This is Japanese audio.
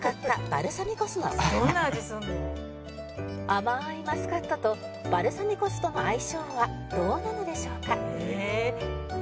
甘いマスカットとバルサミコ酢との相性はどうなのでしょうか？